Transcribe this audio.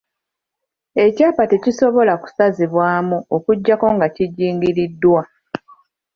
Ekyapa tekisobola kusazibwamu okuggyako nga kijingiriddwa.